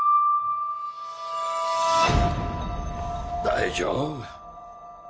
大丈夫。